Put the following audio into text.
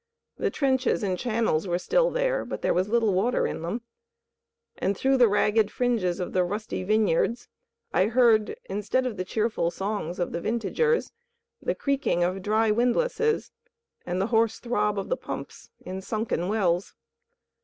The trenches and channels were still there, but there was little water in them; and through the ragged fringes of the rusty vineyards I heard, instead of the cheerful songs of the vintagers, the creaking of dry windlasses and the hoarse throb of the pumps in sunken wells.